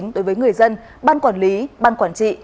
đối với người dân ban quản lý ban quản trị